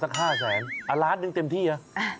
๕แสนล้านหนึ่งเต็มที่นะ